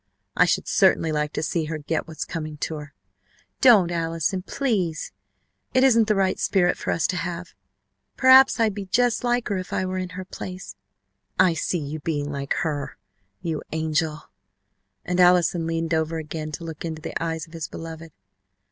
I should certainly like to see her get what's coming to her !" "Don't Allison please! It isn't the right spirit for us to have. Perhaps I'd be just like her if I were in her place " "I see you being like her you angel!" And Allison leaned over again to look into the eyes of his beloved.